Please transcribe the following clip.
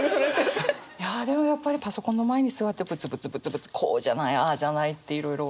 いやでもやっぱりパソコンの前に座ってぶつぶつぶつぶつ「こうじゃないああじゃない」っていろいろ。